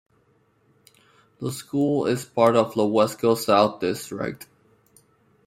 The school is part of the Wesco South District.